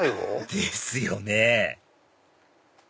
ですよね